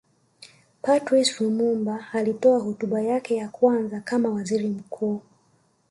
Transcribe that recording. Patrice Lumumba alitoa hotuba yake ya kwanza kama Waziri mkuu